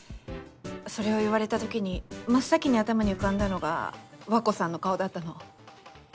それを言われたときに真っ先に頭に浮かんだのが和子さんの顔だったの。